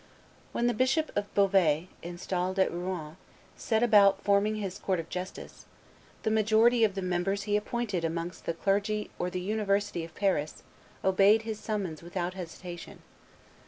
When the Bishop of Beauvais, installed at Rouen, set about forming his court of justice, the majority of the members he appointed amongst the clergy or the University of Paris obeyed the summons without hesitation.